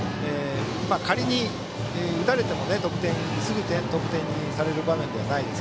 仮に打たれてもすぐ得点される場面ではないので。